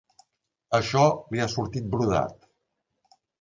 Això li ha sortit brodat.